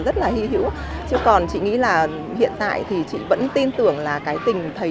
đấy là chuyện không thấy bình thường thôi